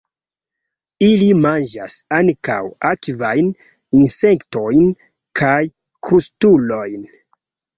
Ili manĝas ankaŭ akvajn insektojn kaj krustulojn.